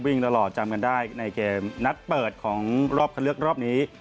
ตลอดจำกันได้ในเกมนัดเปิดของรอบคันเลือกรอบนี้